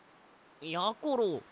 やころ